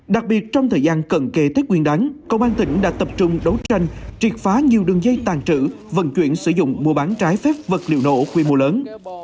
đặc biệt trong thời gian cận kề tết nguyên đáng công an tỉnh đã tập trung đấu tranh triệt phá nhiều đường dây tàn trữ vận chuyển sử dụng mua bán trái phép vật liệu nổ quy mô lớn